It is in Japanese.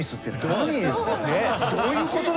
どういうことだ？